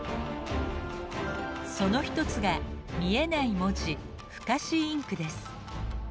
その一つが見えない文字「不可視インク」です。